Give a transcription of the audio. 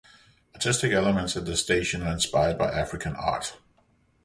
Artistic elements at the station are inspired by African art.